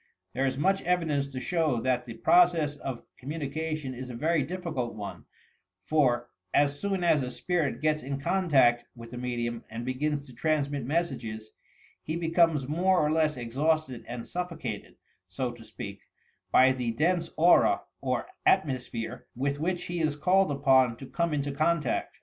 There IB much evidence to show that the process of communi cation is a very difficult one, for, as soon as a spirit gets in contact with a medium and begins to transmit mes sages, he becomes more or less exhausted and suffocated, BO to speak, by the dense aura or atmosphere with which he is called upon to come into contact.